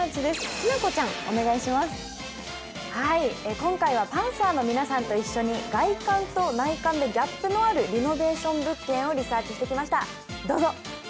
今回はパンサーの皆さんと一緒に、外観と内観のギャップのあるリノベーション物件をリサーチしてきました。